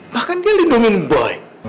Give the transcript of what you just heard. bahkan dia lindungin boy